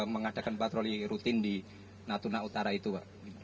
mengadakan patroli rutin di natuna utara itu pak